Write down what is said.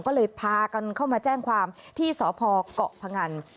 ก็เลยพากันเข้ามาแจ้งความที่สพเกาะพงัน